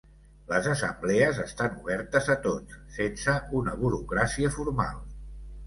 Les assemblees estan obertes a tots, sense una burocràcia formal.